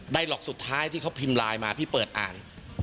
หลอกสุดท้ายที่เขาพิมพ์ไลน์มาพี่เปิดอ่าน